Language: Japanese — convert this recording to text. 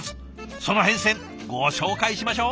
その変遷ご紹介しましょう。